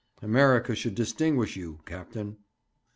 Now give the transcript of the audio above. America should distinguish you, captain.'